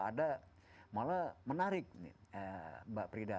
ada malah menarik nih mbak prida